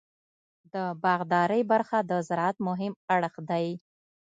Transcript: د باغدارۍ برخه د زراعت مهم اړخ دی.